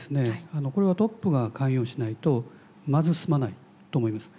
これはトップが関与しないとまず進まないと思います。